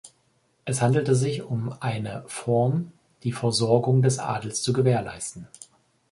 Es handelte sich um eine Form, die Versorgung des Adels zu gewährleisten.